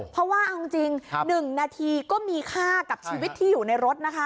เพราะว่าเอาจริง๑นาทีก็มีค่ากับชีวิตที่อยู่ในรถนะคะ